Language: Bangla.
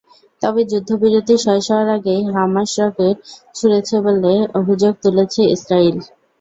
তবে যুদ্ধবিরতি শেষ হওয়ার আগেই হামাস রকেট ছুড়েছে বলে অভিযোগ তুলেছে ইসরায়েল।